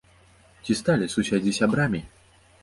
Ці сталі суседзі сябрамі?